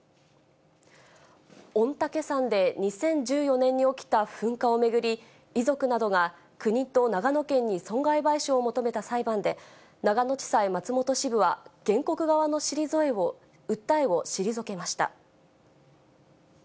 御嶽山で２０１４年に起きた噴火を巡り、遺族などが国と長野県に損害賠償を求めた裁判で、長野地裁松本支部は、原告側の訴えを退けました。